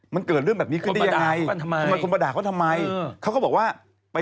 มันเกิดเรื่องแบบนี้ขึ้นได้ยังไงคนประดาษเขาทำไมเขาก็บอกว่า